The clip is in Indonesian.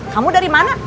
kamu dari mana